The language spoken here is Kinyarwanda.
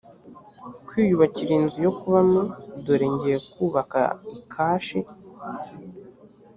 kwiyubakira inzu yo kubamo dore ngiye kubaka ikashi